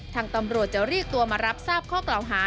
ทางตำรวจจะเรียกตัวมารับทราบข้อกล่าวหา